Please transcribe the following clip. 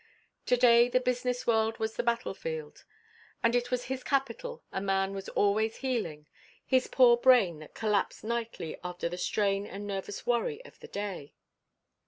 To day the business world was the battlefield, and it was his capital a man was always healing, his poor brain that collapsed nightly after the strain and nervous worry of the day.